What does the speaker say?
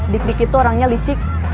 dik dik itu orangnya licik